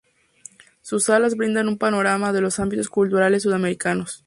Sus salas brindan un panorama de los ámbitos culturales sudamericanos.